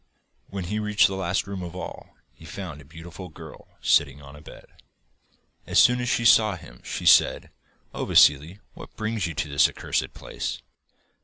When he reached the last room of all, he found a beautiful girl sitting on a bed. As soon as she saw him she said: 'Oh, Vassili, what brings you to this accursed place?